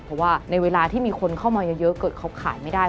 เพราะว่าในเวลาที่มีคนเข้ามาเยอะเกิดเขาขายไม่ได้